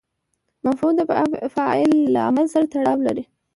مفعول د فاعل له عمل سره تړاو لري.